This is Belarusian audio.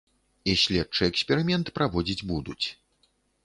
І следчы эксперымент праводзіць будуць.